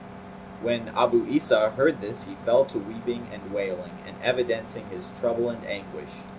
When Abu Isa heard this he fell to weeping and wailing and evidencing his trouble and anguish.